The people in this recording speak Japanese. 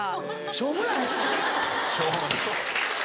しょうもない？